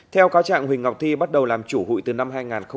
theo cáo trạng huỳnh ngọc thi bắt đầu làm chủ hội từ năm hai nghìn một mươi năm